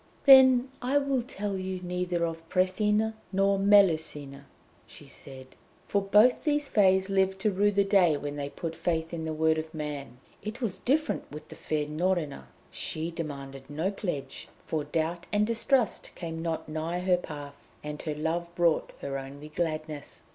"Then I will tell you neither of Pressina nor Melusina," she said, "for both these Fées lived to rue the day when they put faith in the word of man. It was different with the fair Norina. She demanded no pledge, for doubt and distrust came not nigh her path, and her love brought her only gladness."